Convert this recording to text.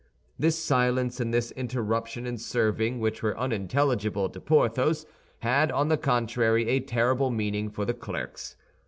This silence and this interruption in serving, which were unintelligible to Porthos, had, on the contrary, a terrible meaning for the clerks.